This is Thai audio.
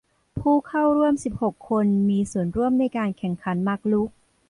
ผู้เข้าร่วมสิบหกคนมีส่วนร่วมในการแข่งขันหมากรุก